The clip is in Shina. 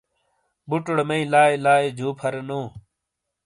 بوٹوڑے مئی لائی لائی جو پھا رے نو